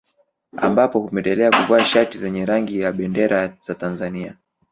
Ambapo hupendelea kuvaa shati zenye rangi ya bendera za Tanzania